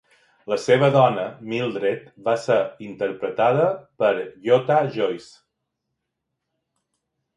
La seva dona, Mildred, va ser interpretada per Yootha Joyce.